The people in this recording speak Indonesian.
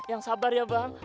yang sabar ya bang